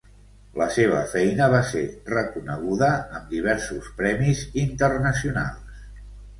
La seva feina va ser reconeguda amb diversos premis internacionals.